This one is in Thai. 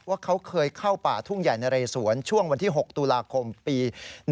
ว่าเขาเคยเข้าป่าทุ่งใหญ่นะเรสวนช่วงวันที่๖ตุลาคมปี๑๙